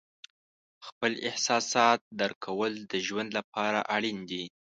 خپل احساسات درک کول د ژوند لپاره اړین دي.